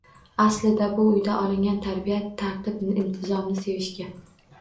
Aslida bu uyda olingan tarbiya tartib-intizomni sevishga